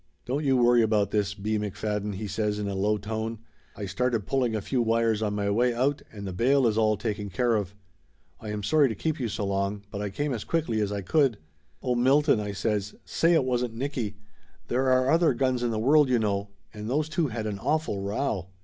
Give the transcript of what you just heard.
"Don't you worry about this, B. McFadden!" he says in a low tone. "I started pulling a few wires on my way out, and the bail is all taken care of. I am sorry to keep you so long, but I came as quickly as I could." "Oh, Milton !" I says. "Say it wasn't Nicky ! There are other guns in the world, you know, and those two had an awful row!"